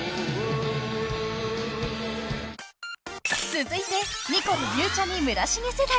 ［続いてニコルゆうちゃみ村重世代］